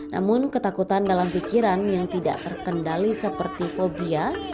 namun ketakutan dalam pikiran yang tidak terkendali seperti fobia